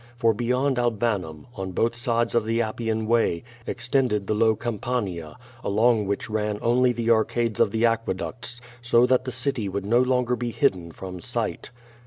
For be yond Albanum, on both sides of the Appian way, extended the low Campania, along which ran only the arcades of the aque ducts, so that the city would no longer be hidden from sight.